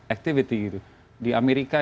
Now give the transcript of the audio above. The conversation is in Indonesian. activity gitu di amerika